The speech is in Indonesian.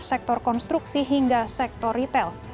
sektor konstruksi hingga sektor retail